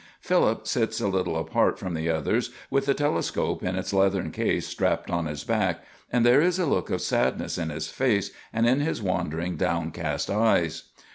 Philip sits a little apart from the others, with the telescope in its leathern case strapped on his back, and there is a look of sadness in his face and in his wandering, downcast eyes.